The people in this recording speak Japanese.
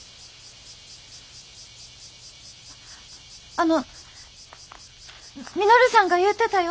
あの稔さんが言うてたよ。